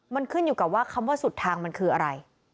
มันขึ้นอยู่กับว่าคำว่าสุดทางมันคืออะไร